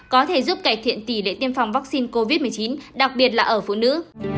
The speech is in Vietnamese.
có thể giúp cải thiện tỷ lệ tiêm phòng vaccine covid một mươi chín đặc biệt là ở phụ nữ